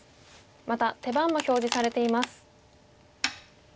また手番も表示されています。